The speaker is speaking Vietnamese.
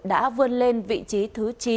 đã vươn lên vị trí thứ chín